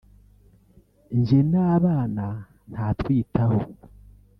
njye n’abana ntatwitaho